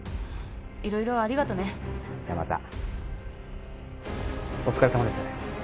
色々ありがとねじゃあまたお疲れさまです